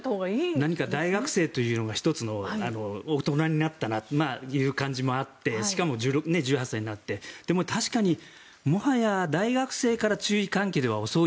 何か大学生というのが１つの、大人になったなという感じもあってしかも１８歳になってでも、確かにもはや大学生から注意喚起では遅い。